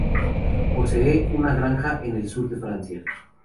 Posee una granja en el sur de Francia.